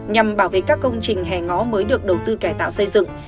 nhằm bảo vệ các công trình hè ngõ mới được đầu tư kẻ tạo xây dựng